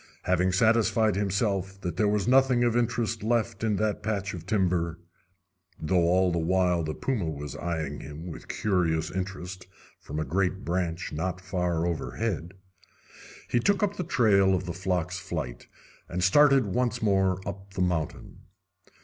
Having satisfied himself that there was nothing of interest left in that patch of timber though all the while the puma was eyeing him with curious interest from a great branch not far overhead he took up the trail of the flock's flight, and started once more up the mountain.